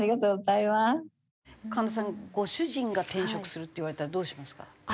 神田さんご主人が転職するって言われたらどうしますか？